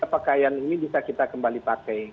pakaian ini bisa kita kembali pakai